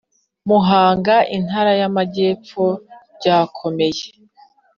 Muhanga Intara y Amajyepfo byakomeye